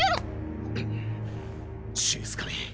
静かに。